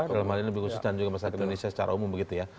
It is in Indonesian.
dalam hal ini lebih khususnya juga masyarakat indonesia secara umum begitu ya